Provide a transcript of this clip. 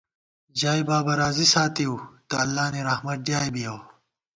ژائےبابہ راضی ساتِؤ تہ اللہ نی رحمت ڈیائے بِیَؤ